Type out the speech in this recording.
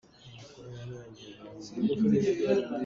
Rawl nan pam ahcun na pam lai.